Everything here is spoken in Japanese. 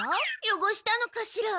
よごしたのかしら？